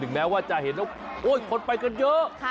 แม้ว่าจะเห็นแล้วคนไปกันเยอะ